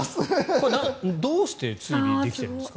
これ、どうして追尾できるんですか？